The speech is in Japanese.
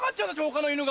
他の犬が。